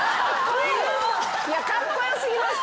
カッコ良過ぎますって。